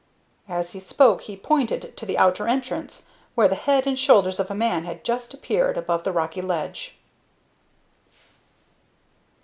As he spoke he pointed to the outer entrance, where the head and shoulders of a man had just appeared above the rocky ledge.